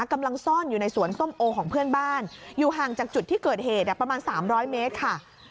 กำลังซ่อนอยู่ในสวนส้มโอของเพื่อนบ้านอยู่ห่างจากจุดที่เกิดเหตุประมาณ๓๐๐เมตรค่ะ